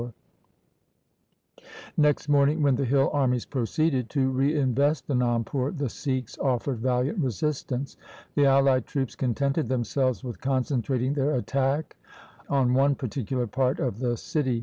K 2 132 THE SIKH RELIGION Next morning, when the hill armies proceeded to re invest Anandpur, the Sikhs offered valiant resist ance. The allied troops contented themselves with concentrating their attack on one particular part of the city.